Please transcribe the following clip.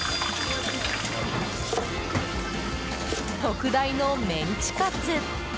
特大のメンチカツ！